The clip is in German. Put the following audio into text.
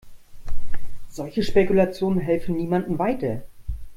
Solche Spekulationen helfen niemandem weiter.